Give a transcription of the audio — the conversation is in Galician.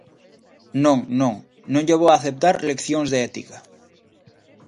Non, non, non lle vou aceptar leccións de ética.